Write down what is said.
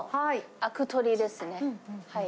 あく取りですね。